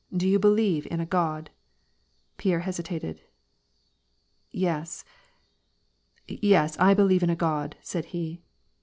Do you believe in a God ?" Pierre hesitated, —" Yes — yes, I believe in a God," said he.